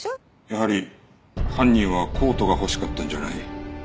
やはり犯人はコートが欲しかったんじゃない。